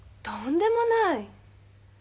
とんでもない！